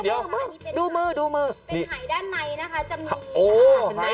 เป็นหายด้านในนะคะจะมี